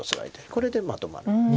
これでまとまる。